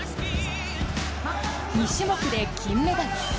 ２種目で金メダル。